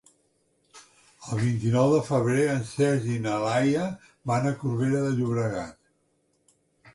El vint-i-nou de febrer en Sergi i na Laia van a Corbera de Llobregat.